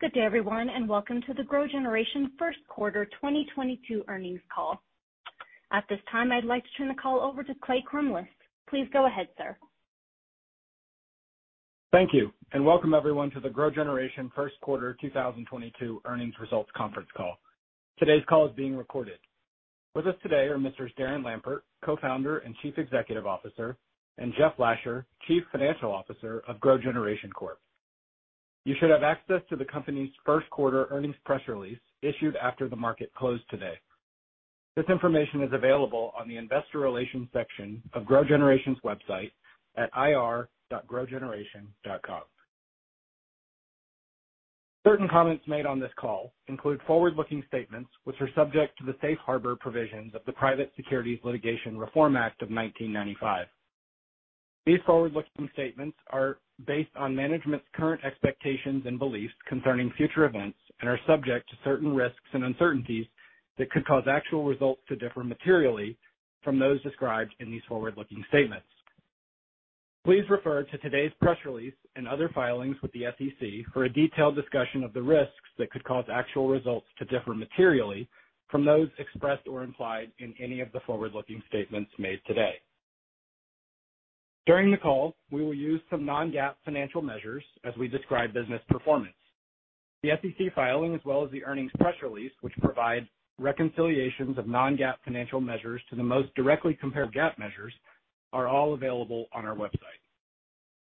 Good day, everyone, and welcome to the GrowGeneration Q1 2022 Earnings Call. At this time, I'd like to turn the call over to Clay Crumbliss. Please go ahead, sir. Thank you. Welcome, everyone, to the GrowGeneration Q1 2022 Earnings Results Conference Call. Today's call is being recorded. With us today are Messrs. Darren Lampert, Co-Founder and Chief Executive Officer, and Jeff Lasher, Chief Financial Officer of GrowGeneration Corp. You should have access to the company's first quarter earnings press release issued after the market closed today. This information is available on the investor relations section of GrowGeneration's website at ir.growgeneration.com. Certain comments made on this call include forward-looking statements which are subject to the safe harbor provisions of the Private Securities Litigation Reform Act of 1995. These forward-looking statements are based on management's current expectations and beliefs concerning future events and are subject to certain risks and uncertainties that could cause actual results to differ materially from those described in these forward-looking statements. Please refer to today's press release and other filings with the SEC for a detailed discussion of the risks that could cause actual results to differ materially from those expressed or implied in any of the forward-looking statements made today. During the call, we will use some non-GAAP financial measures as we describe business performance. The SEC filing, as well as the earnings press release, which provides reconciliations of non-GAAP financial measures to the most directly compared GAAP measures, are all available on our website.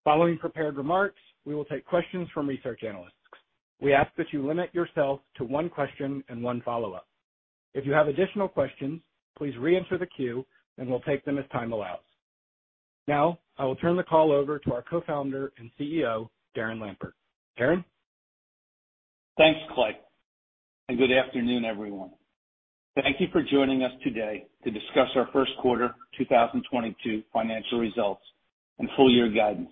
Following prepared remarks, we will take questions from research analysts. We ask that you limit yourself to one question and one follow-up. If you have additional questions, please re-enter the queue and we'll take them as time allows. Now, I will turn the call over to our Co-Founder and CEO, Darren Lampert. Darren? Thanks, Clay, and good afternoon, everyone. Thank you for joining us today to discuss our first quarter 2022 financial results and full year guidance.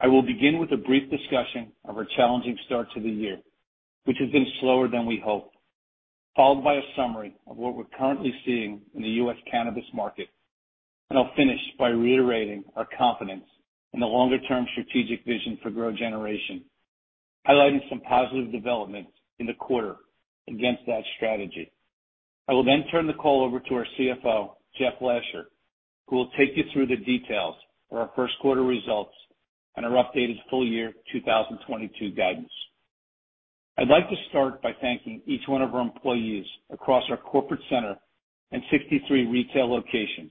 I will begin with a brief discussion of our challenging start to the year, which has been slower than we hoped, followed by a summary of what we're currently seeing in the U.S. cannabis market. I'll finish by reiterating our confidence in the longer-term strategic vision for GrowGeneration, highlighting some positive developments in the quarter against that strategy. I will then turn the call over to our CFO, Jeff Lasher, who will take you through the details for our Q1 results and our updated full year 2022 guidance. I'd like to start by thanking each one of our employees across our corporate center and 63 retail locations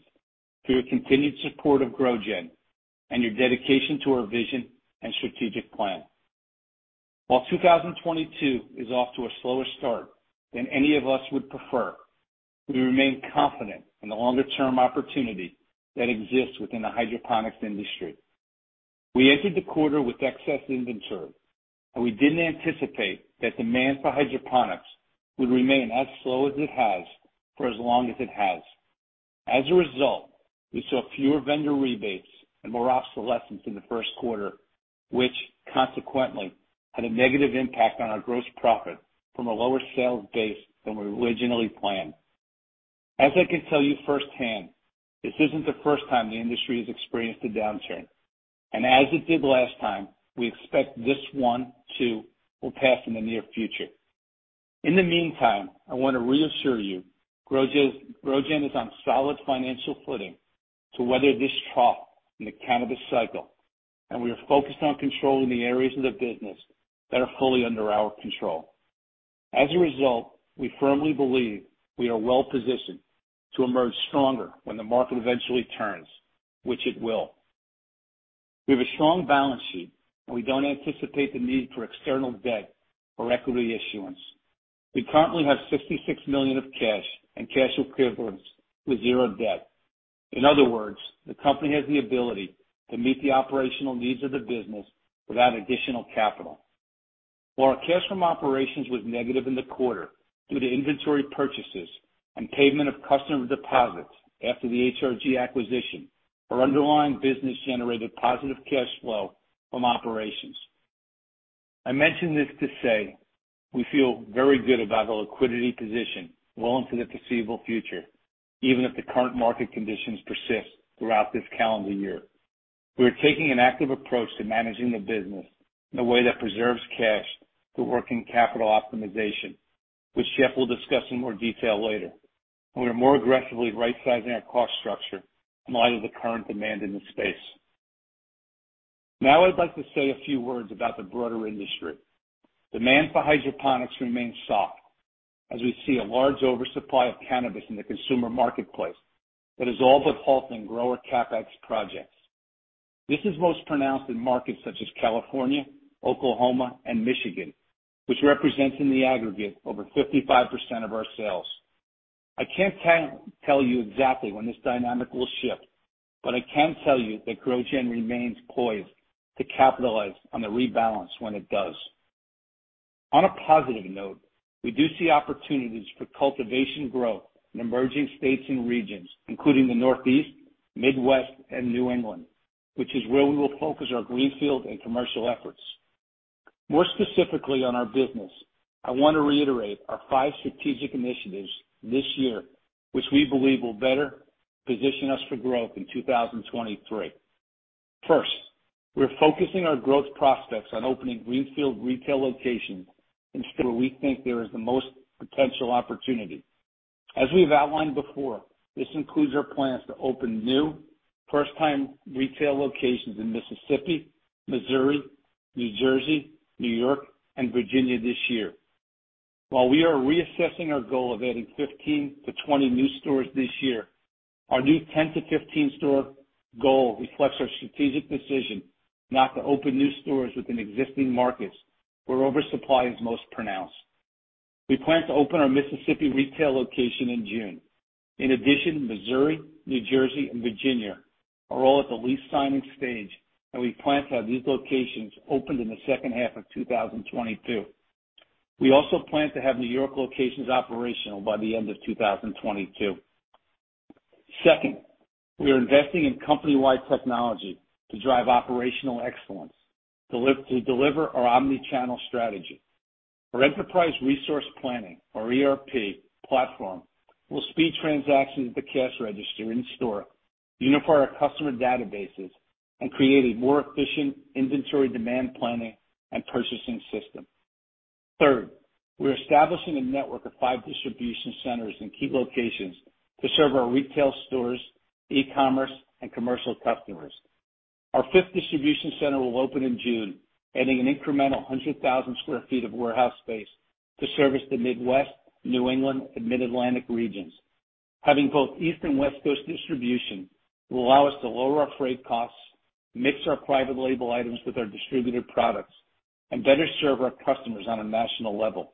for your continued support of GrowGen and your dedication to our vision and strategic plan. While 2022 is off to a slower start than any of us would prefer, we remain confident in the longer-term opportunity that exists within the hydroponics industry. We entered the quarter with excess inventory, and we didn't anticipate that demand for hydroponics would remain as slow as it has for as long as it has. As a result, we saw fewer vendor rebates and more obsolescence in the first quarter, which consequently had a negative impact on our gross profit from a lower sales base than we originally planned. I can tell you firsthand, this isn't the first time the industry has experienced a downturn, and as it did last time, we expect this one, too, will pass in the near future. In the meantime, I want to reassure you, GrowGen is on solid financial footing to weather this trough in the cannabis cycle, and we are focused on controlling the areas of the business that are fully under our control. As a result, we firmly believe we are well-positioned to emerge stronger when the market eventually turns, which it will. We have a strong balance sheet, and we don't anticipate the need for external debt or equity issuance. We currently have $66 million of cash and cash equivalents with zero debt. In other words, the company has the ability to meet the operational needs of the business without additional capital. While our cash from operations was negative in the quarter due to inventory purchases and payment of customer deposits after the HRG acquisition, our underlying business generated positive cash flow from operations. I mention this to say we feel very good about our liquidity position well into the foreseeable future, even if the current market conditions persist throughout this calendar year. We are taking an active approach to managing the business in a way that preserves cash through working capital optimization, which Jeff will discuss in more detail later. We are more aggressively rightsizing our cost structure in light of the current demand in the space. Now, I'd like to say a few words about the broader industry. Demand for hydroponics remains soft as we see a large oversupply of cannabis in the consumer marketplace that is all but halting grower CapEx projects. This is most pronounced in markets such as California, Oklahoma, and Michigan, which represents, in the aggregate, over 55% of our sales. I can't tell you exactly when this dynamic will shift, but I can tell you that GrowGen remains poised to capitalize on the rebalance when it does. On a positive note, we do see opportunities for cultivation growth in emerging states and regions, including the Northeast, Midwest, and New England, which is where we will focus our greenfield and commercial efforts. More specifically on our business, I want to reiterate our five strategic initiatives this year, which we believe will better position us for growth in 2023. First, we're focusing our growth prospects on opening greenfield retail locations where we think there is the most potential opportunity. As we've outlined before, this includes our plans to open new first-time retail locations in Mississippi, Missouri, New Jersey, New York, and Virginia this year. While we are reassessing our goal of adding 15-20 new stores this year, our new 10-15 store goal reflects our strategic decision not to open new stores within existing markets where oversupply is most pronounced. We plan to open our Mississippi retail location in June. In addition, Missouri, New Jersey, and Virginia are all at the lease signing stage, and we plan to have these locations opened in the second half of 2022. We also plan to have New York locations operational by the end of 2022. Second, we are investing in company-wide technology to drive operational excellence to deliver our omni-channel strategy. Our enterprise resource planning, or ERP platform, will speed transactions at the cash register in store, unify our customer databases, and create a more efficient inventory demand planning and purchasing system. Third, we're establishing a network of 5 distribution centers in key locations to serve our retail stores, e-commerce, and commercial customers. Our fifth distribution center will open in June, adding an incremental 100,000 sq ft of warehouse space to service the Midwest, New England, and Mid-Atlantic regions. Having both East and West Coast distribution will allow us to lower our freight costs, mix our private label items with our distributed products, and better serve our customers on a national level.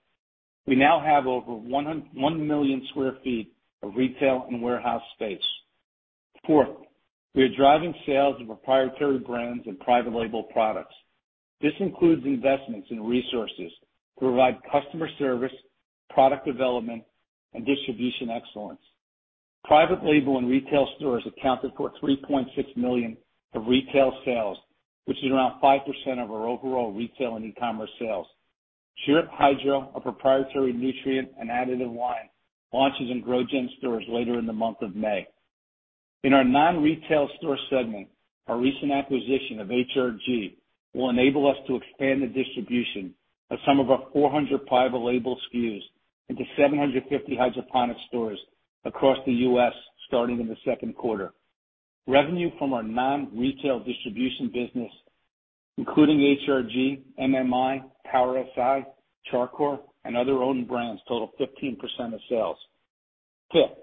We now have over 1 million sq ft of retail and warehouse space. Fourth, we are driving sales of proprietary brands and private label products. This includes investments in resources to provide customer service, product development, and distribution excellence. Private label and retail stores accounted for $3.6 million of retail sales, which is around 5% of our overall retail and e-commerce sales. Drip Hydro, our proprietary nutrient and additive line, launches in GrowGen stores later in the month of May. In our non-retail store segment, our recent acquisition of HRG will enable us to expand the distribution of some of our 400 private label SKUs into 750 hydroponic stores across the U.S. starting in the second quarter. Revenue from our non-retail distribution business, including HRG, MMI, Power Si, Char Coir, and other own brands total 15% of sales. Fifth,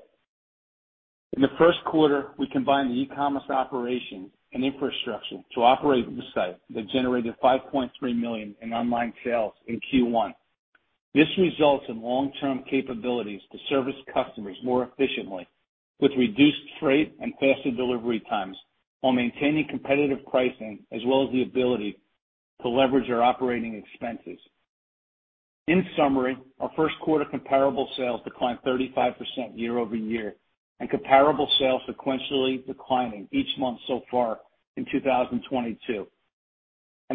in the first quarter, we combined the e-commerce operation and infrastructure to operate the site that generated $5.3 million in online sales in Q1. This results in long-term capabilities to service customers more efficiently with reduced freight and faster delivery times, while maintaining competitive pricing as well as the ability to leverage our operating expenses. In summary, our first quarter comparable sales declined 35% year-over-year, and comparable sales sequentially declining each month so far in 2022.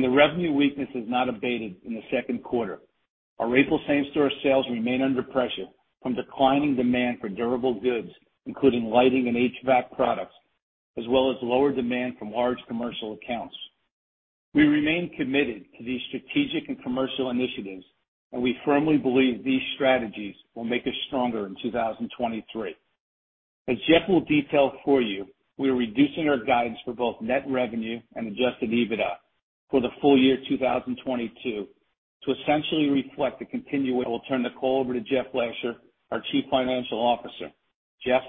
The revenue weakness has not abated in the second quarter. Our April same-store sales remain under pressure from declining demand for durable goods, including lighting and HVAC products, as well as lower demand from large commercial accounts. We remain committed to these strategic and commercial initiatives, and we firmly believe these strategies will make us stronger in 2023. As Jeff will detail for you, we are reducing our guidance for both net revenue and Adjusted EBITDA for the full year 2022. I will turn the call over to Jeff Lasher, our Chief Financial Officer. Jeff?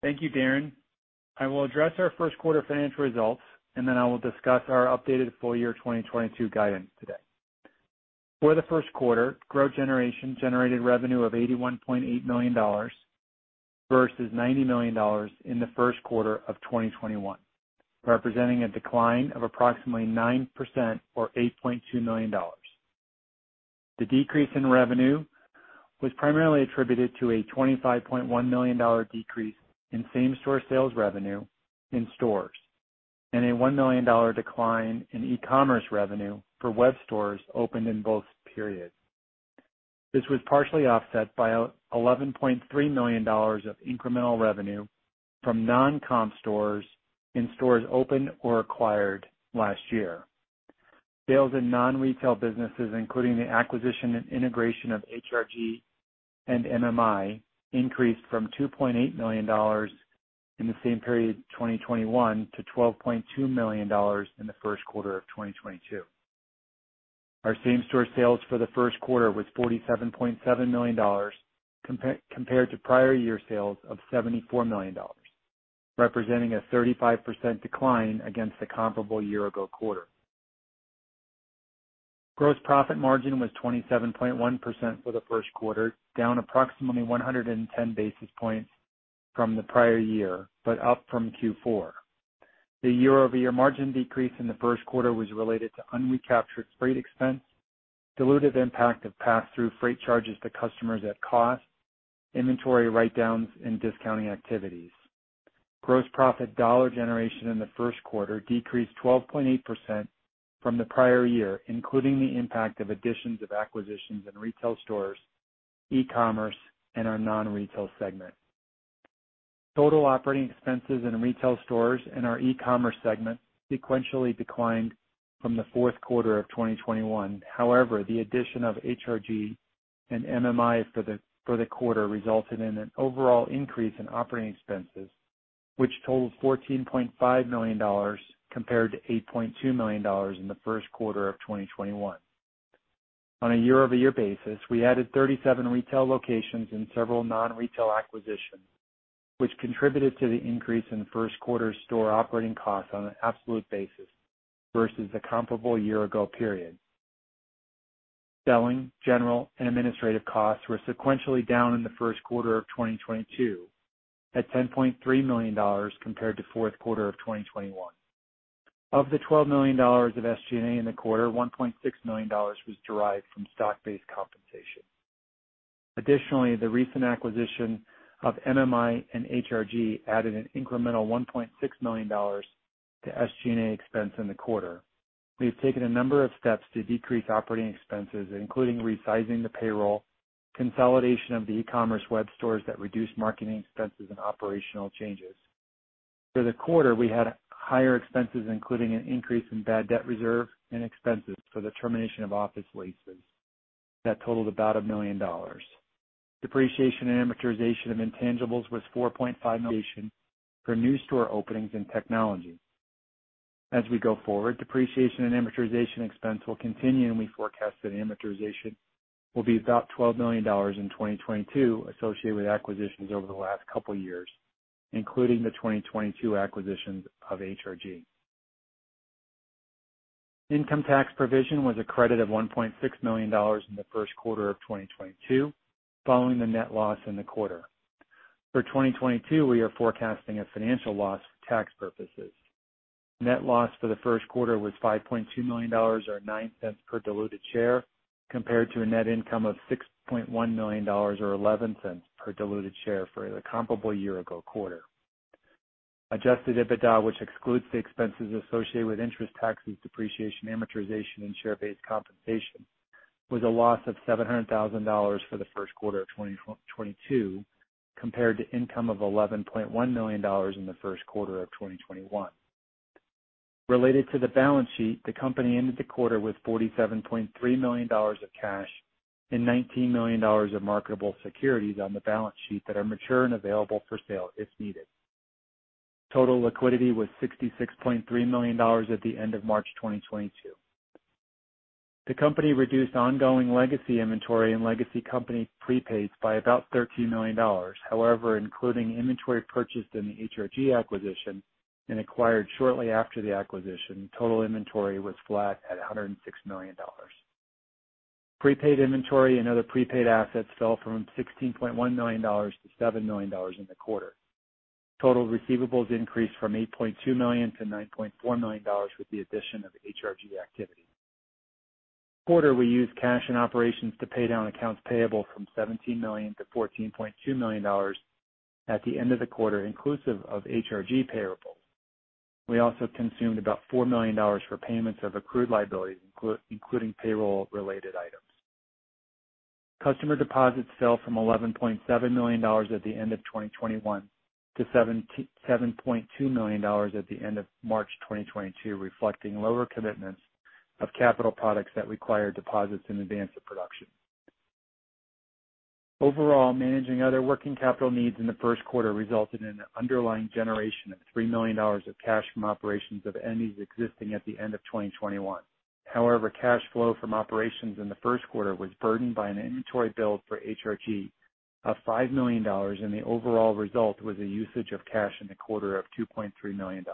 Thank you, Darren. I will address our first quarter financial results, and then I will discuss our updated full year 2022 guidance today. For the Q1, GrowGeneration generated revenue of $81.8 million versus $90 million in the first quarter of 2021, representing a decline of approximately 9% or $8.2 million. The decrease in revenue was primarily attributed to a $25.1 million decrease in same-store sales revenue in stores, and a $1 million decline in e-commerce revenue for web stores opened in both periods. This was partially offset by $11.3 million of incremental revenue from non-comparable stores opened or acquired last year. Sales in non-retail businesses, including the acquisition and integration of HRG and MMI, increased from $2.8 million in the same period 2021 to $12.2 million in the Q1 of 2022. Our same store sales for the Q1 was $47.7 million compared to prior year sales of $74 million, representing a 35% decline against the comparable year ago quarter. Gross profit margin was 27.1% for the first quarter, down approximately 110 basis points from the prior year, but up from Q4. The year-over-year margin decrease in the first quarter was related to unrecaptured freight expense, dilutive impact of passthrough freight charges to customers at cost, inventory write-downs, and discounting activities. Gross profit dollar generation in the first quarter decreased 12.8% from the prior year, including the impact of additions of acquisitions in retail stores, e-commerce and our non-retail segment. Total operating expenses in retail stores and our e-commerce segment sequentially declined from the fourth quarter of 2021. However, the addition of HRG and MMI for the quarter resulted in an overall increase in operating expenses, which totaled $14.5 million compared to $8.2 million in the Q1 of 2021. On a year-over-year basis, we added 37 retail locations in several non-retail acquisitions, which contributed to the increase in first quarter store operating costs on an absolute basis versus the comparable year ago period. Selling, general and administrative costs were sequentially down in the first quarter of 2022 at $10.3 million compared to Q4 of 2021. Of the $12 million of SG&A in the quarter, $1.6 million was derived from stock-based compensation. Additionally, the recent acquisition of MMI and HRG added an incremental $1.6 million to SG&A expense in the quarter. We've taken a number of steps to decrease operating expenses, including resizing the payroll, consolidation of the e-commerce web stores that reduce marketing expenses and operational changes. For the quarter, we had higher expenses, including an increase in bad debt reserve and expenses for the termination of office leases that totaled about $1 million. Depreciation and amortization of intangibles was $4.5 million for new store openings and technology. As we go forward, depreciation and amortization expense will continue, and we forecast that amortization will be about $12 million in 2022 associated with acquisitions over the last couple years, including the 2022 acquisitions of HRG. Income tax provision was a credit of $1.6 million in the first quarter of 2022, following the net loss in the quarter. For 2022, we are forecasting a financial loss for tax purposes. Net loss for the Q1 was $5.2 million, or $0.09 per diluted share, compared to a net income of $6.1 million or $0.11 per diluted share for the comparable year ago quarter. Adjusted EBITDA, which excludes the expenses associated with interest, taxes, depreciation, amortization, and share-based compensation, was a loss of $700 thousand for the Q1 of 2022, compared to income of $11.1 million in the Q1 of 2021. Related to the balance sheet, the company ended the quarter with $47.3 million of cash and $19 million of marketable securities on the balance sheet that are mature and available for sale if needed. Total liquidity was $66.3 million at the end of March 2022. The company reduced ongoing legacy inventory and legacy company prepaids by about $13 million. However, including inventory purchased in the HRG acquisition and acquired shortly after the acquisition, total inventory was flat at $106 million. Prepaid inventory and other prepaid assets fell from $16.1 million to $7 million in the quarter. Total receivables increased from $8.2 million-$9.4 million with the addition of HRG activity. In the quarter, we used cash from operations to pay down accounts payable from $17 million-$14.2 million at the end of the quarter, inclusive of HRG payables. We also consumed about $4 million for payments of accrued liabilities, including payroll related items. Customer deposits fell from $11.7 million at the end of 2021 to $7.2 million at the end of March 2022, reflecting lower commitments of capital products that require deposits in advance of production. Overall, managing other working capital needs in the first quarter resulted in an underlying generation of $3 million of cash from operations of the existing at the end of 2021. However, cash flow from operations in the first quarter was burdened by an inventory build for HRG of $5 million, and the overall result was a usage of cash in the quarter of $2.3 million.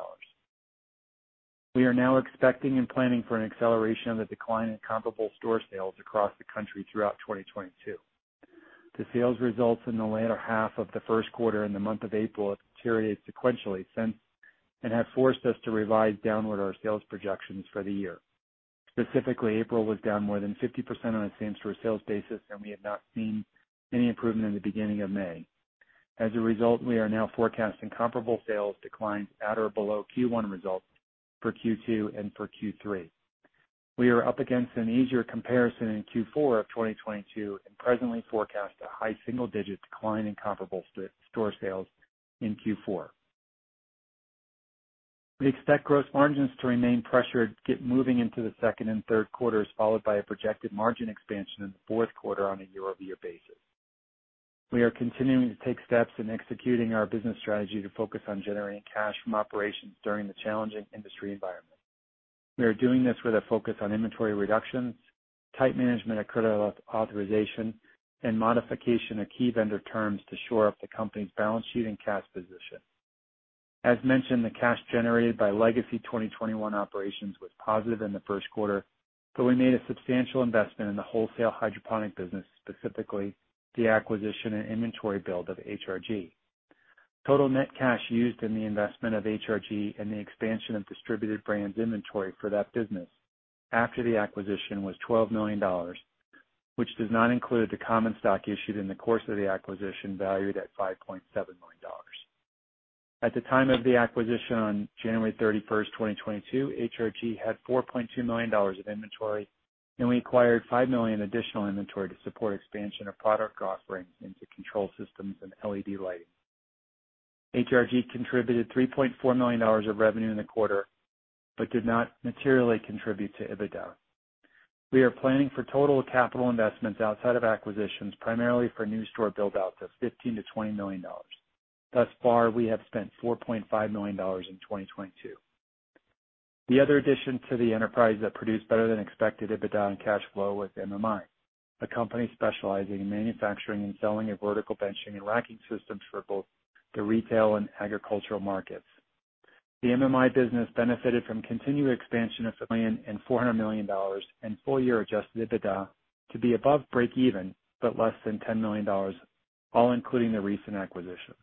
We are now expecting and planning for an acceleration of the decline in comparable store sales across the country throughout 2022. The sales results in the latter half of the first quarter in the month of April have deteriorated sequentially since and have forced us to revise downward our sales projections for the year. Specifically, April was down more than 50% on a same store sales basis, and we have not seen any improvement in the beginning of May. As a result, we are now forecasting comparable sales declines at or below Q1 results for Q2 and for Q3. We are up against an easier comparison in Q4 of 2022 and presently forecast a high single-digit decline in comparable store sales in Q4. We expect gross margins to remain pressured moving into the second and third quarters, followed by a projected margin expansion in the fourth quarter on a year-over-year basis. We are continuing to take steps in executing our business strategy to focus on generating cash from operations during the challenging industry environment. We are doing this with a focus on inventory reductions, tight management of credit authorization, and modification of key vendor terms to shore up the company's balance sheet and cash position. As mentioned, the cash generated by legacy 2021 operations was positive in the first quarter, but we made a substantial investment in the wholesale hydroponic business, specifically the acquisition and inventory build of HRG. Total net cash used in the investment of HRG and the expansion of distributed brands inventory for that business after the acquisition was $12 million, which does not include the common stock issued in the course of the acquisition valued at $5.7 million. At the time of the acquisition on January 31st, 2022, HRG had $4.2 million of inventory, and we acquired $5 million additional inventory to support expansion of product offerings into control systems and LED lighting. HRG contributed $3.4 million of revenue in the quarter but did not materially contribute to EBITDA. We are planning for total capital investments outside of acquisitions, primarily for new store build-outs of $15-$20 million. Thus far, we have spent $4.5 million in 2022. The other addition to the enterprise that produced better than expected EBITDA and cash flow was MMI, a company specializing in manufacturing and selling of vertical benching and racking systems for both the retail and agricultural markets. The MMI business benefited from continued expansion from $100 million-$400 million and full year Adjusted EBITDA to be above breakeven, but less than $10 million, all including the recent acquisition.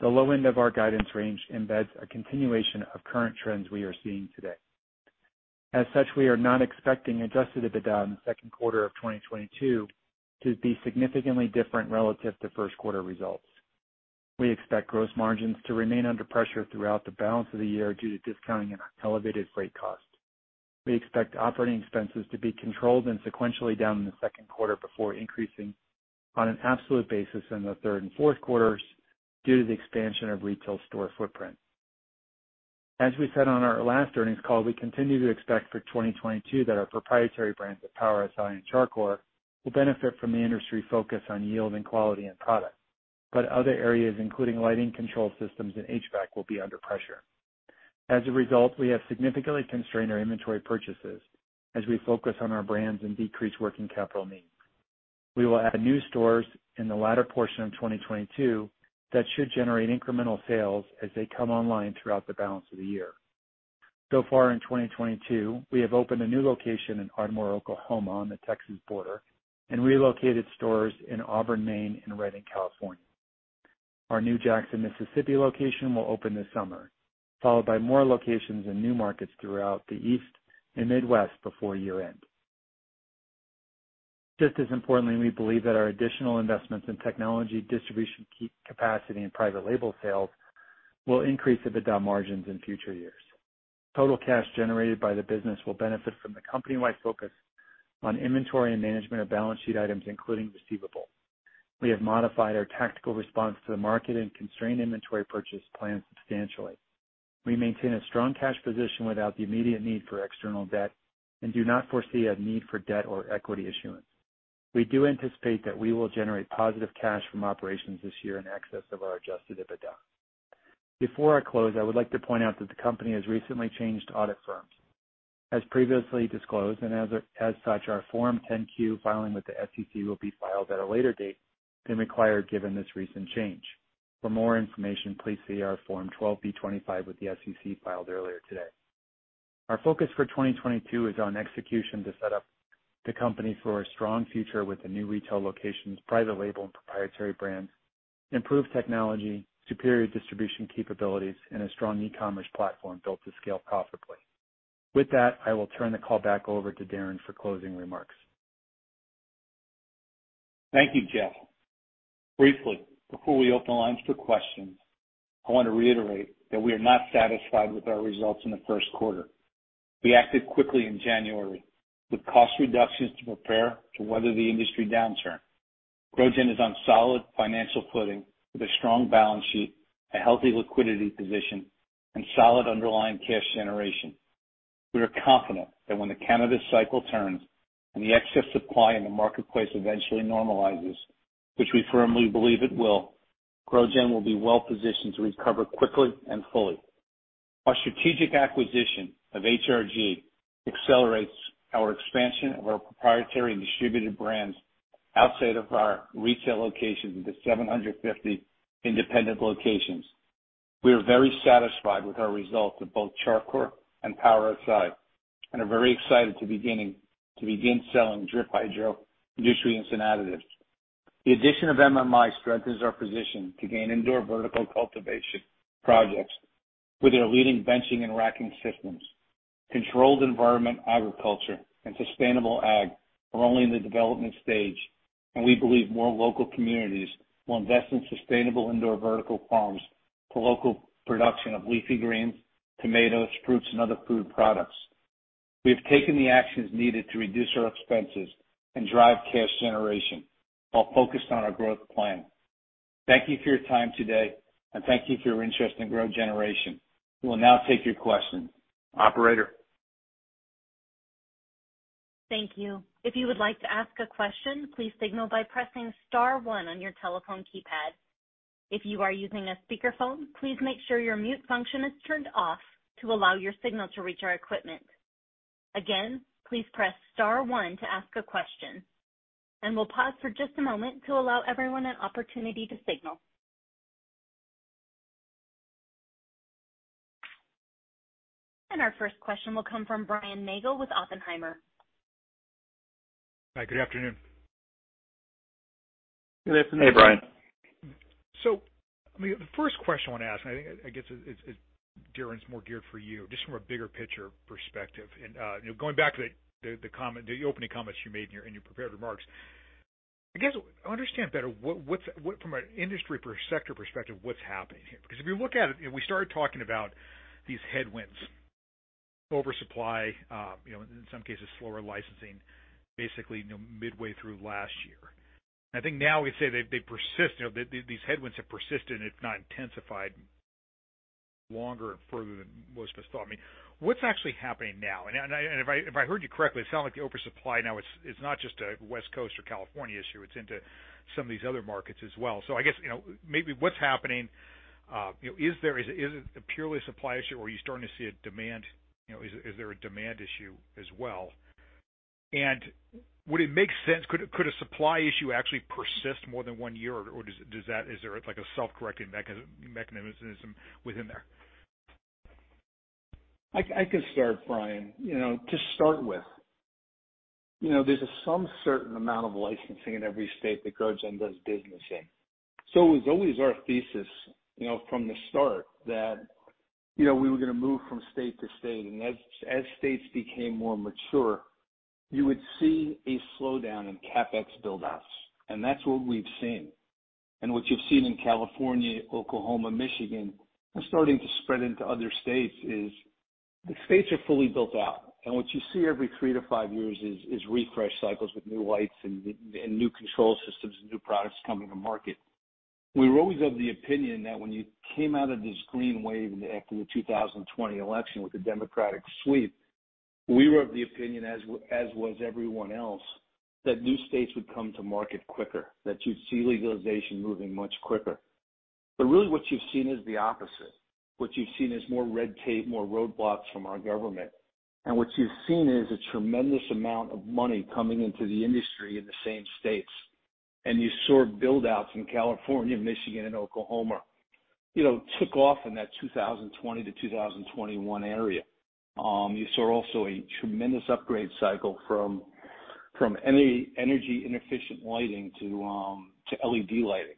The low end of our guidance range embeds a continuation of current trends we are seeing today. As such, we are not expecting Adjusted EBITDA in the second quarter of 2022 to be significantly different relative to first quarter results. We expect gross margins to remain under pressure throughout the balance of the year due to discounting and our elevated freight cost. We expect operating expenses to be controlled and sequentially down in the second quarter before increasing on an absolute basis in the third and fourth quarters due to the expansion of retail store footprint. As we said on our last earnings call, we continue to expect for 2022 that our proprietary brands of Power Si and Char Coir will benefit from the industry focus on yield and quality and product, but other areas, including lighting control systems and HVAC, will be under pressure. As a result, we have significantly constrained our inventory purchases as we focus on our brands and decrease working capital needs. We will add new stores in the latter portion of 2022 that should generate incremental sales as they come online throughout the balance of the year. So far in 2022, we have opened a new location in Ardmore, Oklahoma, on the Texas border, and relocated stores in Auburn, Maine and Redding, California. Our new Jackson, Mississippi location will open this summer, followed by more locations in new markets throughout the East and Midwest before year-end. Just as importantly, we believe that our additional investments in technology, distribution capacity, and private label sales will increase EBITDA margins in future years. Total cash generated by the business will benefit from the company-wide focus on inventory and management of balance sheet items, including receivables. We have modified our tactical response to the market and constrained inventory purchase plan substantially. We maintain a strong cash position without the immediate need for external debt and do not foresee a need for debt or equity issuance. We do anticipate that we will generate positive cash from operations this year in excess of our Adjusted EBITDA. Before I close, I would like to point out that the company has recently changed audit firms. As previously disclosed, and as such, our Form 10-Q filing with the SEC will be filed at a later date than required given this recent change. For more information, please see our Form 12b-25 with the SEC filed earlier today. Our focus for 2022 is on execution to set up the company for a strong future with the new retail locations, private label and proprietary brands, improved technology, superior distribution capabilities, and a strong e-commerce platform built to scale profitably. With that, I will turn the call back over to Darren for closing remarks. Thank you, Jeff. Briefly, before we open the lines for questions, I want to reiterate that we are not satisfied with our results in the first quarter. We acted quickly in January with cost reductions to prepare to weather the industry downturn. GrowGen is on solid financial footing with a strong balance sheet, a healthy liquidity position, and solid underlying cash generation. We are confident that when the cannabis cycle turns and the excess supply in the marketplace eventually normalizes, which we firmly believe it will, GrowGen will be well positioned to recover quickly and fully. Our strategic acquisition of HRG accelerates our expansion of our proprietary and distributed brands outside of our retail locations into 750 independent locations. We are very satisfied with our results with both Char Coir and Power Si, and are very excited to begin selling Drip Hydro nutrients and additives. The addition of MMI strengthens our position to gain indoor vertical cultivation projects with their leading benching and racking systems. Controlled environment agriculture and sustainable ag are only in the development stage, and we believe more local communities will invest in sustainable indoor vertical farms for local production of leafy greens, tomatoes, fruits, and other food products. We have taken the actions needed to reduce our expenses and drive cash generation while focused on our growth plan. Thank you for your time today, and thank you for your interest in GrowGeneration. We will now take your questions. Operator? Thank you. If you would like to ask a question, please signal by pressing star one on your telephone keypad. If you are using a speakerphone, please make sure your mute function is turned off to allow your signal to reach our equipment. Again, please press star one to ask a question. We'll pause for just a moment to allow everyone an opportunity to signal. Our first question will come from Brian Nagel with Oppenheimer. Hi, good afternoon. Good afternoon. Hey, Brian. I mean, the first question I want to ask, and I think, I guess it's Darren, it's more geared for you, just from a bigger picture perspective and, you know, going back to the comment, the opening comments you made in your prepared remarks. I guess, understand better what's from an industry per sector perspective, what's happening here. Because if you look at it, you know, we started talking about these headwinds, oversupply, you know, in some cases slower licensing, basically, you know, midway through last year. I think now we can say they persist. You know, these headwinds have persisted, if not intensified longer and further than most of us thought. I mean, what's actually happening now? If I heard you correctly, it sounded like the oversupply now is not just a West Coast or California issue, it's into some of these other markets as well. I guess, you know, maybe what's happening, you know, is it a purely supply issue or are you starting to see a demand, you know, is there a demand issue as well? Would it make sense, could a supply issue actually persist more than one year or does that, is there like a self-correcting mechanism within there? I can start, Brian. You know, to start with, you know, there's some certain amount of licensing in every state that GrowGen does business in. So it was always our thesis, you know, from the start that, you know, we were gonna move from state to state. As states became more mature, you would see a slowdown in CapEx build outs. That's what we've seen. What you've seen in California, Oklahoma, Michigan, and starting to spread into other states is the states are fully built out. What you see every three to five years is refresh cycles with new lights and new control systems and new products coming to market. We were always of the opinion that when you came out of this green wave after the 2020 election with the Democratic sweep, we were of the opinion as was everyone else, that new states would come to market quicker, that you'd see legalization moving much quicker. Really what you've seen is the opposite. What you've seen is more red tape, more roadblocks from our government. What you've seen is a tremendous amount of money coming into the industry in the same states. You saw build outs in California, Michigan and Oklahoma, you know, took off in that 2020 to 2021 area. You saw also a tremendous upgrade cycle from from any energy inefficient lighting to to LED lighting.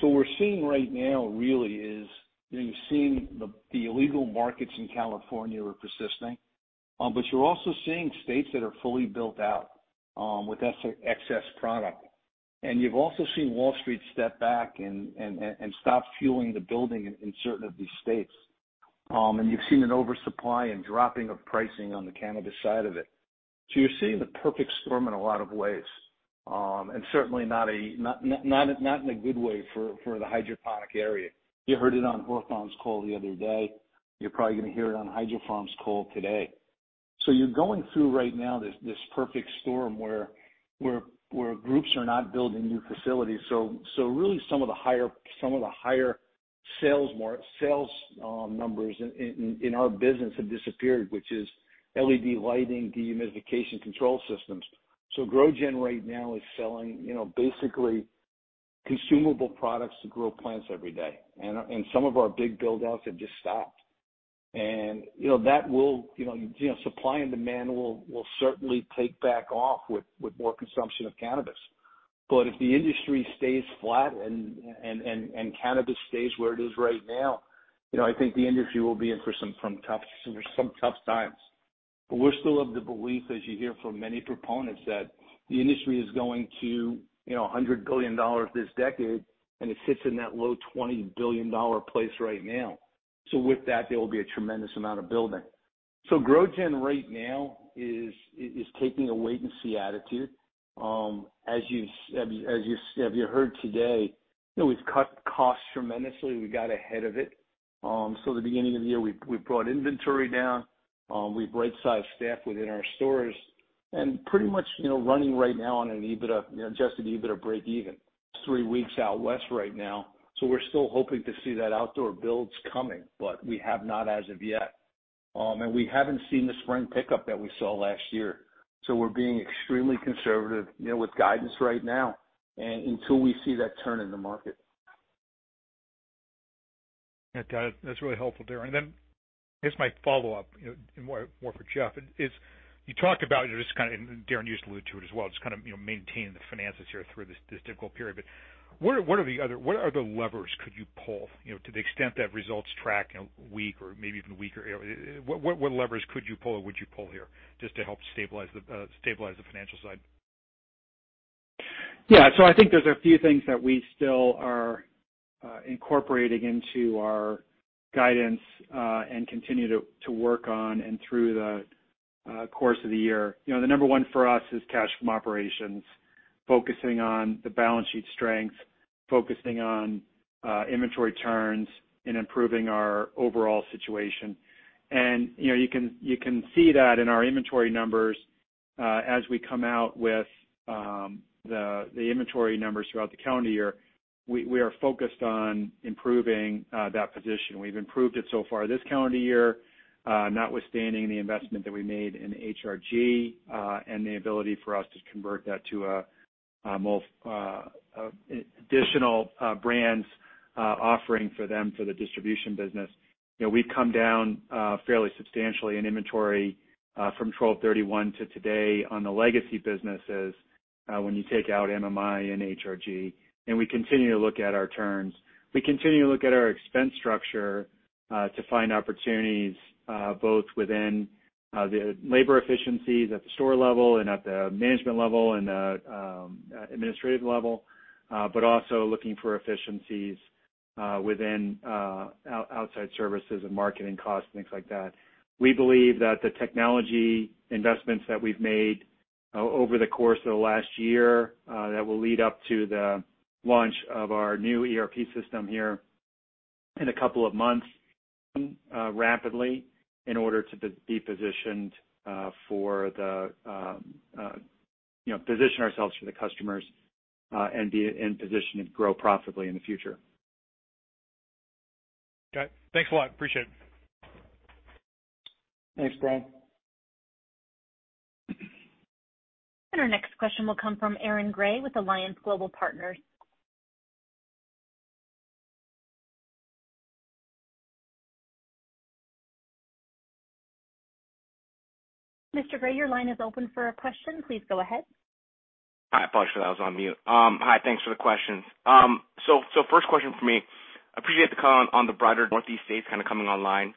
What we're seeing right now really is you're seeing the illegal markets in California are persisting, but you're also seeing states that are fully built out with excess product. You've also seen Wall Street step back and stop fueling the building in certain of these states. You've seen an oversupply and dropping of pricing on the cannabis side of it. You're seeing the perfect storm in a lot of ways, and certainly not in a good way for the hydroponic area. You heard it on Hydrofarm's call the other day. You're probably gonna hear it on Hydrofarm's call today. You're going through right now this perfect storm where groups are not building new facilities. Really some of the higher-margin sales numbers in our business have disappeared, which is LED lighting, dehumidification control systems. GrowGen right now is selling, you know, basically consumable products to grow plants every day. Some of our big build outs have just stopped. You know, supply and demand will certainly take back off with more consumption of cannabis. If the industry stays flat and cannabis stays where it is right now, you know, I think the industry will be in for some tough times. We're still of the belief, as you hear from many proponents, that the industry is going to, you know, $100 billion this decade, and it sits in that low $20 billion place right now. With that, there will be a tremendous amount of building. GrowGen right now is taking a wait and see attitude. As you heard today, you know, we've cut costs tremendously. We got ahead of it. At the beginning of the year, we brought inventory down. We've rightsized staff within our stores. Pretty much, you know, running right now on an EBITDA, you know, Adjusted EBITDA breakeven. Three weeks out west right now. We're still hoping to see that outdoor builds coming, but we have not as of yet. We haven't seen the spring pickup that we saw last year. We're being extremely conservative, you know, with guidance right now and until we see that turn in the market. Yeah. Got it. That's really helpful, Darren. I guess my follow-up, you know, more for Jeff is you talked about, you know, just kind of, and Darren, you just allude to it as well, just kind of, you know, maintaining the finances here through this difficult period. What are the other levers could you pull? You know, to the extent that results track in a week or maybe even weaker, what levers could you pull or would you pull here just to help stabilize the financial side? Yeah. I think there's a few things that we still are incorporating into our guidance and continue to work on and through the course of the year. You know, the number one for us is cash from operations, focusing on the balance sheet strength, focusing on inventory turns and improving our overall situation. You know, you can see that in our inventory numbers as we come out with the inventory numbers throughout the calendar year. We are focused on improving that position. We've improved it so far this calendar year, notwithstanding the investment that we made in HRG and the ability for us to convert that to an additional brands offering for them for the distribution business. You know, we've come down fairly substantially in inventory from 12/31 to today on the legacy businesses, when you take out MMI and HRG, and we continue to look at our turns. We continue to look at our expense structure to find opportunities both within the labor efficiencies at the store level and at the management level and the administrative level, but also looking for efficiencies within outside services and marketing costs, things like that. We believe that the technology investments that we've made over the course of the last year that will lead up to the launch of our new ERP system here in a couple of months rapidly in order to be positioned, you know, position ourselves for the customers and be in position to grow profitably in the future. Got it. Thanks a lot. Appreciate it. Thanks, Brian. Our next question will come from Aaron Grey with Alliance Global Partners. Mr. Grey, your line is open for a question. Please go ahead. Hi. Apologies for that, I was on mute. Hi, thanks for the questions. First question from me. Appreciate the comment on the broader Northeast states kind of coming online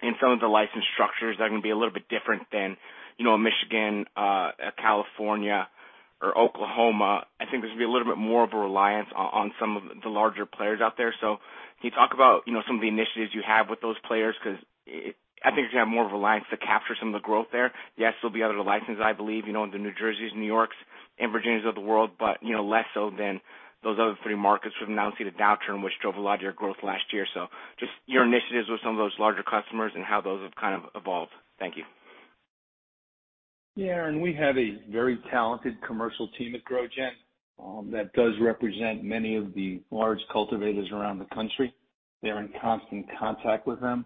and some of the license structures that are gonna be a little bit different than, you know, a Michigan, a California, or Oklahoma. I think there's gonna be a little bit more of a reliance on some of the larger players out there. Can you talk about, you know, some of the initiatives you have with those players? Because I think you're gonna have more of a reliance to capture some of the growth there. Yes, there'll be other licenses, I believe, you know, in the New Jerseys and New Yorks and Virginias of the world, but, you know, less so than those other three markets we've now seen a downturn, which drove a lot of your growth last year. Just your initiatives with some of those larger customers and how those have kind of evolved. Thank you. Yeah, we have a very talented commercial team at GrowGen that does represent many of the large cultivators around the country. They're in constant contact with them.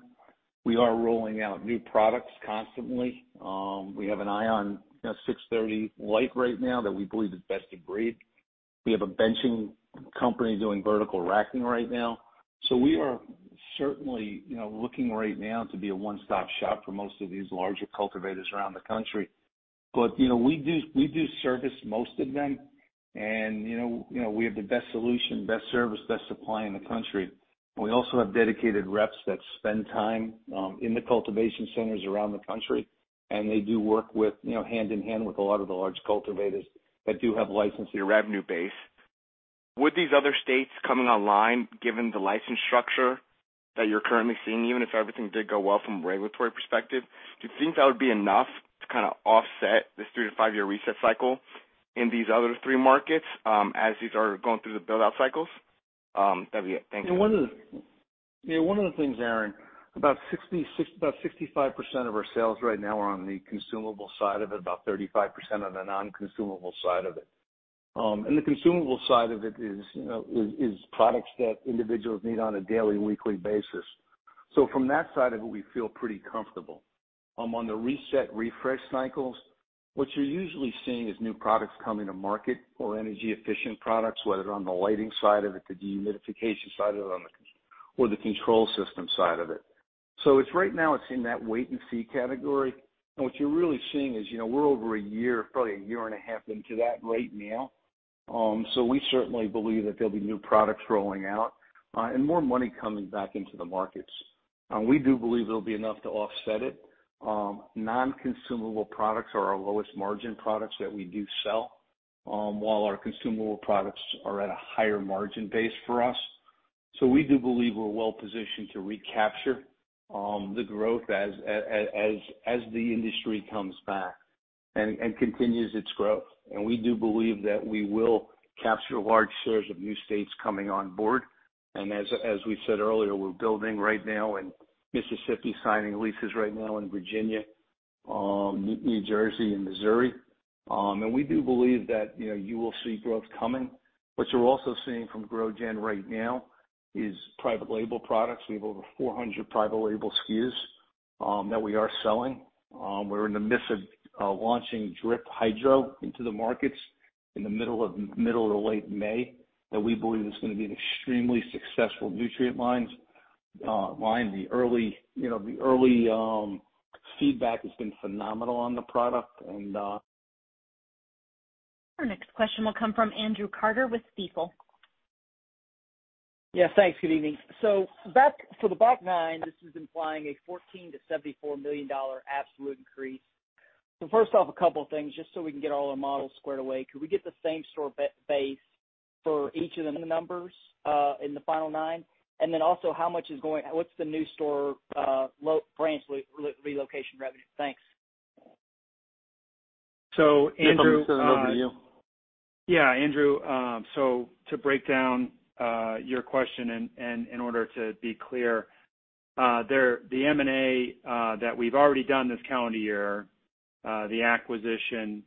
We are rolling out new products constantly. We have an eye on, you know, 630 light right now that we believe is best of breed. We have a benching company doing vertical racking right now. We are certainly, you know, looking right now to be a one-stop shop for most of these larger cultivators around the country. You know, we do service most of them and, you know, we have the best solution, best service, best supply in the country. We also have dedicated reps that spend time in the cultivation centers around the country, and they do work with, you know, hand in hand with a lot of the large cultivators that do have licensing. Your revenue base. With these other states coming online, given the license structure that you're currently seeing, even if everything did go well from a regulatory perspective, do you think that would be enough to kinda offset this three to five year reset cycle in these other three markets, as these are going through the build-out cycles? That'd be it. Thank you. One of the things, Aaron, about 65% of our sales right now are on the consumable side of it, about 35% on the non-consumable side of it. The consumable side of it is, you know, products that individuals need on a daily and weekly basis. From that side of it, we feel pretty comfortable. On the reset refresh cycles, what you're usually seeing is new products coming to market or energy efficient products, whether on the lighting side of it, the dehumidification side of it, or the control system side of it. Right now it's in that wait and see category. What you're really seeing is, you know, we're over a year, probably a year and a half into that rate now. We certainly believe that there'll be new products rolling out, and more money coming back into the markets. We do believe there'll be enough to offset it. Non-consumable products are our lowest margin products that we do sell, while our consumable products are at a higher margin base for us. We do believe we're well positioned to recapture the growth as the industry comes back and continues its growth. We do believe that we will capture large shares of new states coming on board. As we said earlier, we're building right now in Mississippi, signing leases right now in Virginia, New Jersey and Missouri. We do believe that, you know, you will see growth coming. What you're also seeing from GrowGen right now is private label products. We have over 400 private label SKUs that we are selling. We're in the midst of launching Drip Hydro into the markets in the middle to late May that we believe is gonna be an extremely successful nutrient line. The early feedback has been phenomenal on the product. Our next question will come from Andrew Carter with Stifel. Yeah, thanks. Good evening. For the back nine, this is implying a $14 million-$74 million absolute increase. First off, a couple of things, just so we can get all our models squared away. Could we get the same store base for each of the new numbers in the final nine? Then also, what's the new store location relocation revenue? Thanks. Andrew. This one's for you. Yeah, Andrew. To break down your question and in order to be clear, the M&A that we've already done this calendar year, the acquisition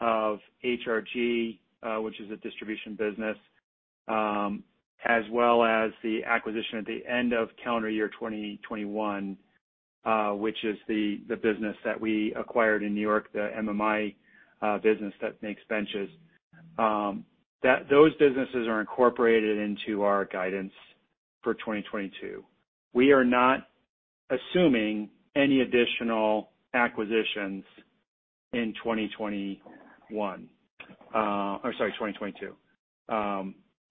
of HRG, which is a distribution business, as well as the acquisition at the end of calendar year 2021 which is the business that we acquired in New York, the MMI business that makes benches. Those businesses are incorporated into our guidance for 2022. We are not assuming any additional acquisitions in 2021, or sorry, 2022.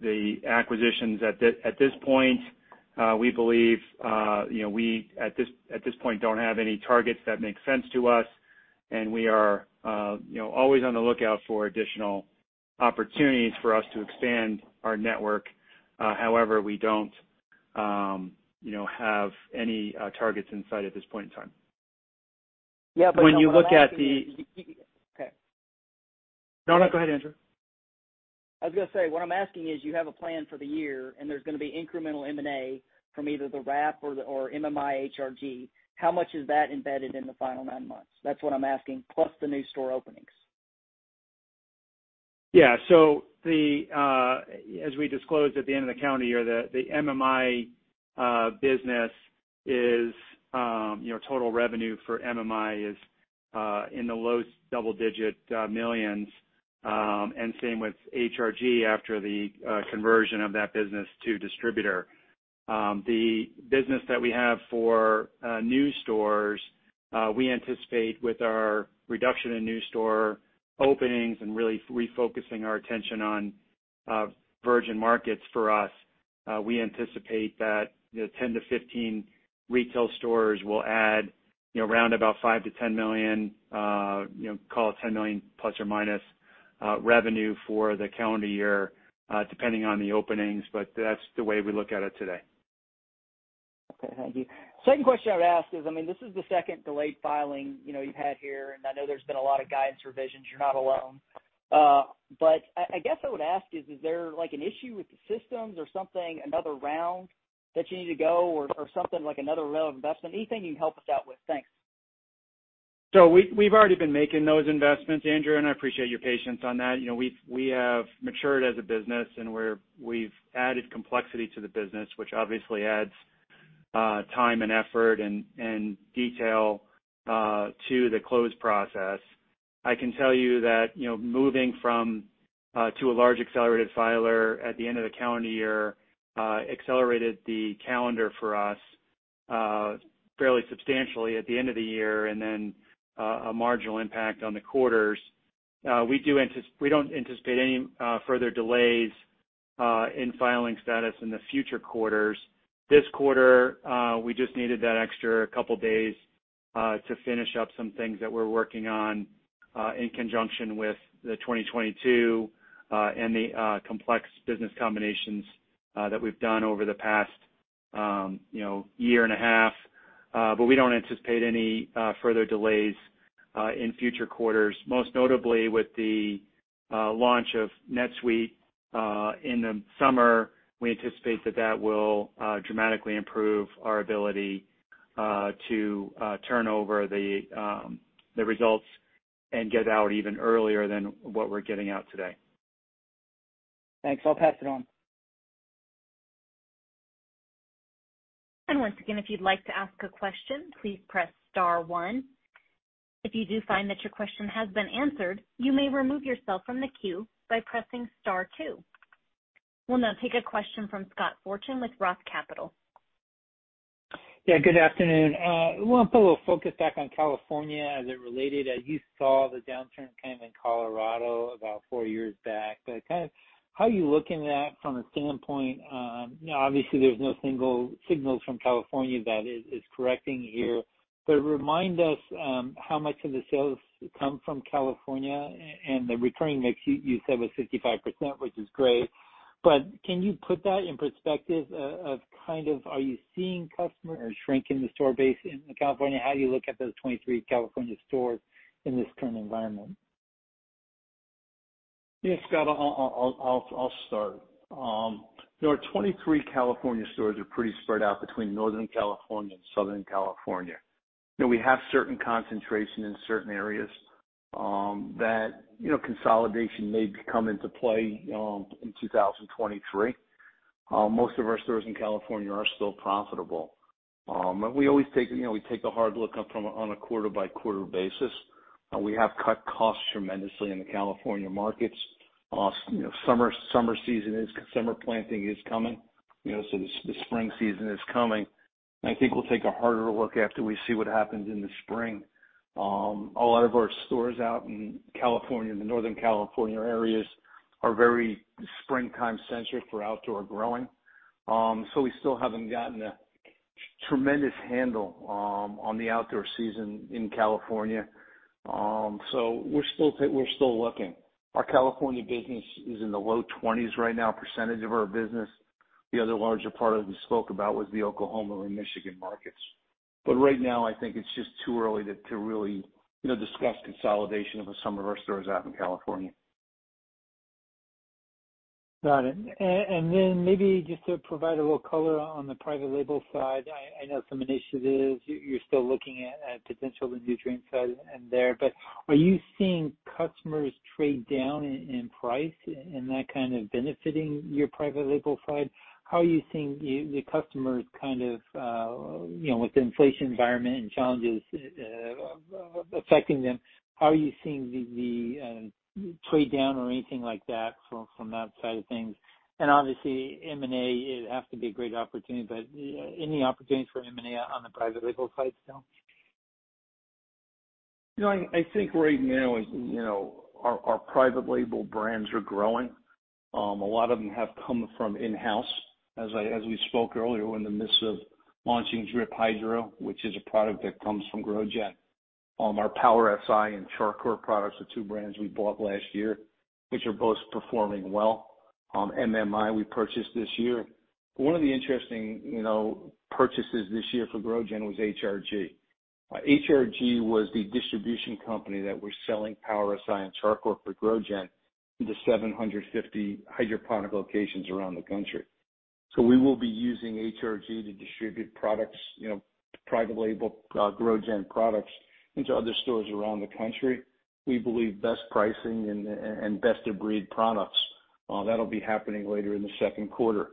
The acquisitions at this point, we believe, you know, we at this point don't have any targets that make sense to us, and we are, you know, always on the lookout for additional opportunities for us to expand our network. However, we don't, you know, have any targets in sight at this point in time. Yeah, what I'm asking is- When you look at the. Okay. No, no, go ahead, Andrew. I was gonna say, what I'm asking is you have a plan for the year, and there's gonna be incremental M&A from either the Rap or MMI, HRG. How much is that embedded in the final nine months? That's what I'm asking. Plus the new store openings. Yeah. As we disclosed at the end of the calendar year, the MMI business is, you know, total revenue for MMI is in the low double-digit millions, and same with HRG after the conversion of that business to distributor. The business that we have for new stores, we anticipate with our reduction in new store openings and really refocusing our attention on virgin markets for us, we anticipate that, you know, 10-15 retail stores will add, you know, around about $5-$10 million, you know, call it $10 million plus or minus, revenue for the calendar year, depending on the openings. That's the way we look at it today. Okay. Thank you. Second question I would ask is, I mean, this is the second delayed filing, you know, you've had here, and I know there's been a lot of guidance revisions. You're not alone. But I guess I would ask is there like an issue with the systems or something, another round that you need to go or something like another round of investment? Anything you can help us out with? Thanks. We've already been making those investments, Andrew, and I appreciate your patience on that. You know, we have matured as a business and we've added complexity to the business, which obviously adds time and effort and detail to the close process. I can tell you that, you know, moving to a large accelerated filer at the end of the calendar year accelerated the calendar for us fairly substantially at the end of the year and then a marginal impact on the quarters. We don't anticipate any further delays in filing status in the future quarters. This quarter, we just needed that extra couple days to finish up some things that we're working on in conjunction with the 2022 and the complex business combinations that we've done over the past, you know, year and a half. We don't anticipate any further delays in future quarters, most notably with the launch of NetSuite. In the summer, we anticipate that that will dramatically improve our ability to turn over the results and get out even earlier than what we're getting out today. Thanks. I'll pass it on. Once again, if you'd like to ask a question, please press star one. If you do find that your question has been answered, you may remove yourself from the queue by pressing star two. We'll now take a question from Scott Fortune with ROTH Capital. Yeah, good afternoon. I wanna put a little focus back on California as it related. As you saw, the downturn came in Colorado about four years back. Kind of how are you looking at from a standpoint, you know, obviously there's no single signals from California that is correcting here. Remind us, how much of the sales come from California and the recurring mix you said was 55%, which is great, but can you put that in perspective of kind of are you seeing customer or shrink in the store base in California? How do you look at those 23 California stores in this current environment? Yeah, Scott, I'll start. There are 23 California stores are pretty spread out between Northern California and Southern California, and we have certain concentration in certain areas, you know, consolidation may come into play in 2023. Most of our stores in California are still profitable. We always take, you know, we take a hard look on a quarter-by-quarter basis. We have cut costs tremendously in the California markets. You know, summer season is coming, summer planting is coming, you know, so the spring season is coming. I think we'll take a harder look after we see what happens in the spring. A lot of our stores out in California, in the Northern California areas, are very springtime-centric for outdoor growing. We still haven't gotten a tremendous handle on the outdoor season in California. We're still looking. Our California business is in the low 20s% right now of our business. The other larger part we spoke about was the Oklahoma and Michigan markets. Right now, I think it's just too early to really, you know, discuss consolidation of some of our stores out in California. Got it. And then maybe just to provide a little color on the private label side. I know some initiatives you're still looking at potential in the Drip side and there, but are you seeing customers trade down in price and that kind of benefiting your private label side? How are you seeing the customers kind of, you know, with the inflation environment and challenges affecting them, how are you seeing the trade down or anything like that from that side of things? Obviously M&A, it has to be a great opportunity, but any opportunity for M&A on the private label side still? You know, I think right now, you know, our private label brands are growing. A lot of them have come from in-house. As we spoke earlier, we're in the midst of launching Drip Hydro, which is a product that comes from GrowGen. Our Power Si and Char Coir products are two brands we bought last year, which are both performing well. MMI we purchased this year. One of the interesting, you know, purchases this year for GrowGen was HRG. HRG was the distribution company that was selling Power Si and Char Coir for GrowGen into 750 hydroponic locations around the country. We will be using HRG to distribute products, you know, private label, GrowGen products into other stores around the country. We believe best pricing and and best of breed products, that'll be happening later in the second quarter.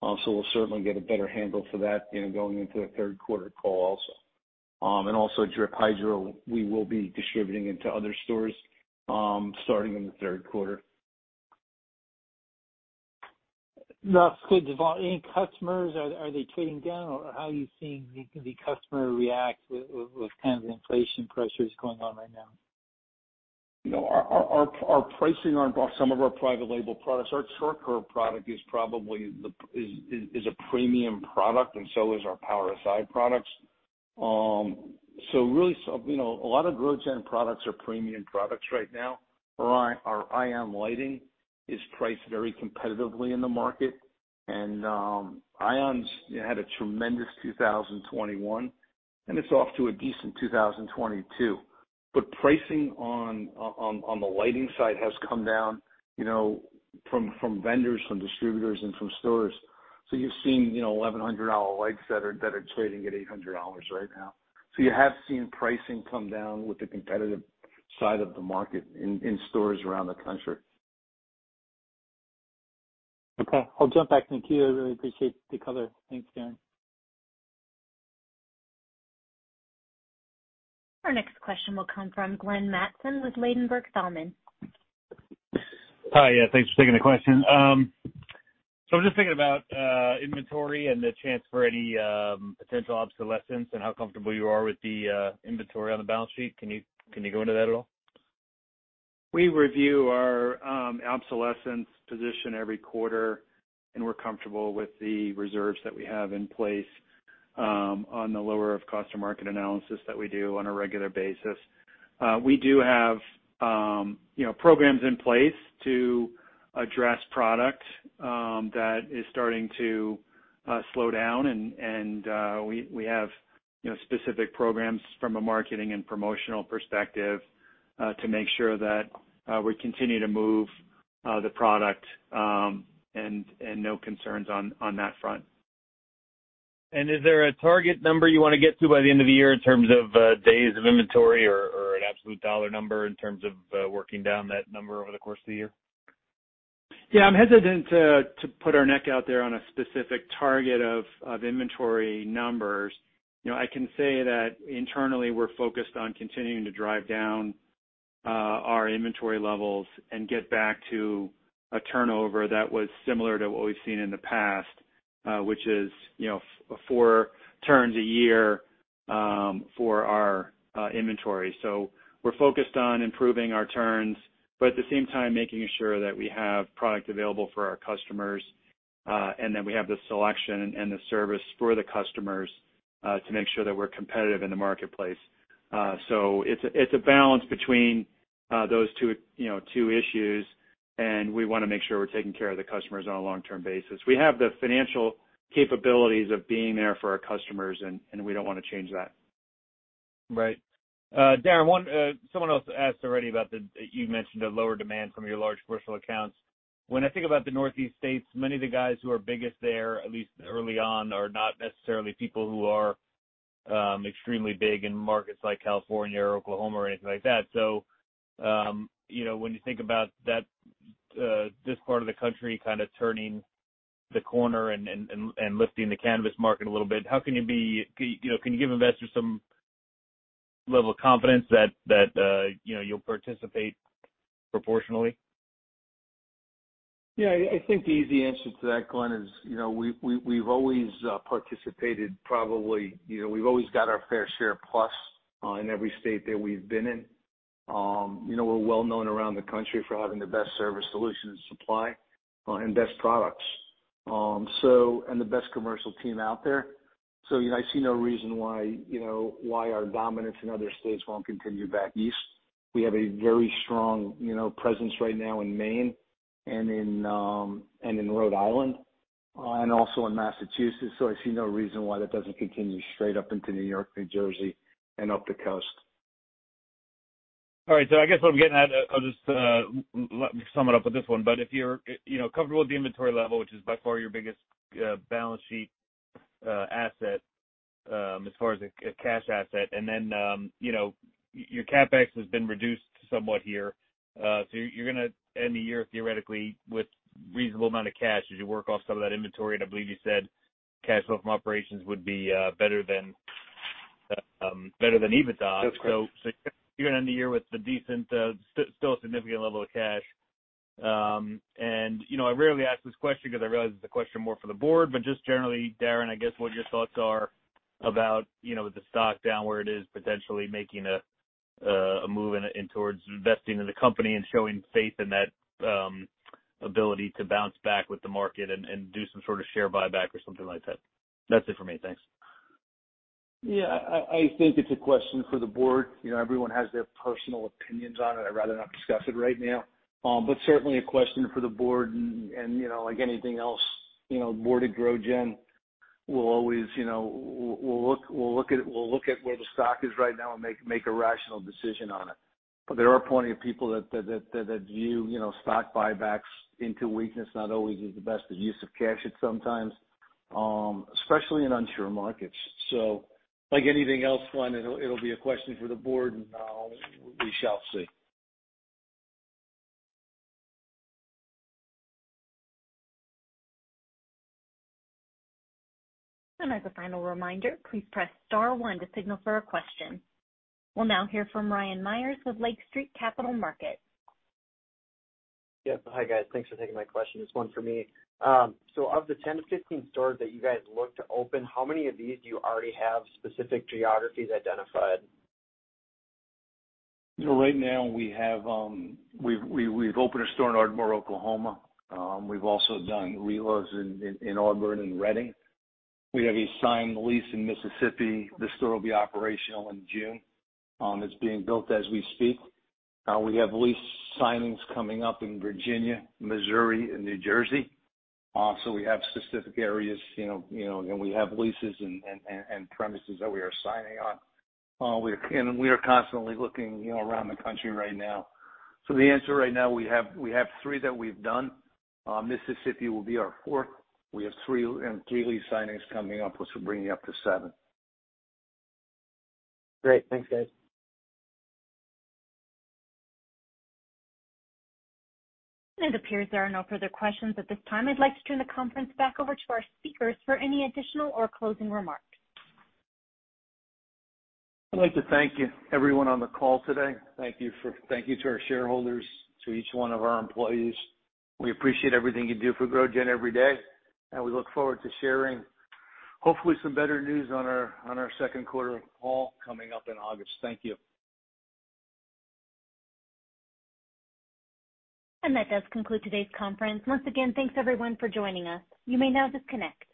We'll certainly get a better handle for that, you know, going into the third quarter call also. Drip Hydro, we will be distributing into other stores, starting in the third quarter. That's good. Any customers, are they trading down or how are you seeing the customer react with kind of the inflation pressures going on right now? You know, our pricing on some of our private label products, our Char Coir product is probably a premium product and so is our Power Si products. So really so, you know, a lot of GrowGen products are premium products right now. Our ION lighting is priced very competitively in the market. ION's had a tremendous 2021, and it's off to a decent 2022. Pricing on the lighting side has come down, you know, from vendors, from distributors, and from stores. You're seeing, you know, $1,100 lights that are trading at $800 right now. You have seen pricing come down with the competitive side of the market in stores around the country. Okay. I'll jump back. Thank you. I really appreciate the color. Thanks, Darren. Our next question will come from Glenn Mattson with Ladenburg Thalmann. Hi. Yeah, thanks for taking the question. I'm just thinking about inventory and the chance for any potential obsolescence and how comfortable you are with the inventory on the balance sheet. Can you go into that at all? We review our obsolescence position every quarter, and we're comfortable with the reserves that we have in place on the lower of cost or market analysis that we do on a regular basis. We do have, you know, programs in place to address product that is starting to slow down and we have, you know, specific programs from a marketing and promotional perspective to make sure that we continue to move the product and no concerns on that front. Is there a target number you wanna get to by the end of the year in terms of days of inventory or an absolute dollar number in terms of working down that number over the course of the year? Yeah. I'm hesitant to put our neck out there on a specific target of inventory numbers. You know, I can say that internally we're focused on continuing to drive down our inventory levels and get back to a turnover that was similar to what we've seen in the past, which is, you know, four turns a year for our inventory. We're focused on improving our turns, but at the same time making sure that we have product available for our customers and that we have the selection and the service for the customers to make sure that we're competitive in the marketplace. It's a balance between those two, you know, two issues, and we wanna make sure we're taking care of the customers on a long-term basis. We have the financial capabilities of being there for our customers and we don't wanna change that. Right. Darren, one, someone else asked already about the you mentioned the lower demand from your large commercial accounts. When I think about the Northeast states, many of the guys who are biggest there, at least early on, are not necessarily people who are extremely big in markets like California or Oklahoma or anything like that. So, you know, when you think about that, this part of the country kind of turning the corner and lifting the cannabis market a little bit, you know, can you give investors some level of confidence that you know, you'll participate proportionally? Yeah. I think the easy answer to that, Glenn, is, you know, we've always participated probably, you know, we've always got our fair share plus in every state that we've been in. You know, we're well known around the country for having the best service solutions supply and best products. And the best commercial team out there. You know, I see no reason why, you know, why our dominance in other states won't continue back east. We have a very strong, you know, presence right now in Maine and in and in Rhode Island and also in Massachusetts, so I see no reason why that doesn't continue straight up into New York, New Jersey, and up the coast. All right. I guess what I'm getting at, I'll just let me sum it up with this one. If you're, you know, comfortable with the inventory level, which is by far your biggest balance sheet asset as far as a cash asset, and then, you know, your CapEx has been reduced somewhat here. You're gonna end the year theoretically with reasonable amount of cash as you work off some of that inventory. I believe you said cash flow from operations would be better than EBITDA. That's correct. You're gonna end the year with a decent, still a significant level of cash. You know, I rarely ask this question because I realize it's a question more for the board, but just generally, Darren, I guess what your thoughts are about, you know, with the stock down where it is, potentially making a move in towards investing in the company and showing faith in that ability to bounce back with the market and do some sort of share buyback or something like that. That's it for me. Thanks. Yeah. I think it's a question for the board. You know, everyone has their personal opinions on it. I'd rather not discuss it right now. Certainly a question for the board and you know, like anything else, you know, board at GrowGen will always, you know, we'll look at where the stock is right now and make a rational decision on it. There are plenty of people that view you know, stock buybacks into weakness not always is the best use of cash sometimes, especially in unsure markets. Like anything else, Glenn, it'll be a question for the board, and we shall see. As a final reminder, please press star one to signal for a question. We'll now hear from Ryan Meyers with Lake Street Capital Markets. Yeah. Hi, guys. Thanks for taking my question. It's one for me. Of the 10-15 stores that you guys look to open, how many of these do you already have specific geographies identified? You know, right now we have, we've opened a store in Ardmore, Oklahoma. We've also done reloads in Auburn and Redding. We have a signed lease in Mississippi. The store will be operational in June. It's being built as we speak. We have lease signings coming up in Virginia, Missouri and New Jersey. So we have specific areas, you know, and we have leases and premises that we are signing on. We are constantly looking, you know, around the country right now. So the answer right now, we have three that we've done. Mississippi will be our fourth. We have three lease signings coming up, which will bring me up to seven. Great. Thanks, guys. It appears there are no further questions at this time. I'd like to turn the conference back over to our speakers for any additional or closing remarks. I'd like to thank you, everyone on the call today. Thank you to our shareholders, to each one of our employees. We appreciate everything you do for GrowGen every day, and we look forward to sharing hopefully some better news on our second quarter call coming up in August. Thank you. That does conclude today's conference. Once again, thanks everyone for joining us. You may now disconnect.